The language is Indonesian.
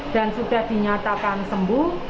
dan sudah dinyatakan sembuh